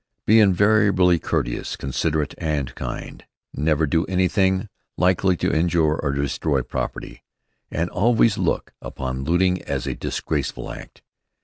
Be invariably courteous, considerate, and kind. Never do anything likely to injure or destroy property, and always look upon looting as a disgraceful act.